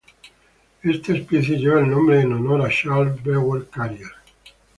Esta especie lleva el nombre en honor a Charles Brewer-Carías.